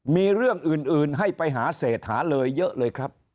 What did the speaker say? มีเรื่องอื่นให้ไปหาเศษหาเลยเยอะเลยครับ